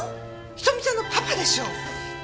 瞳ちゃんのパパでしょう。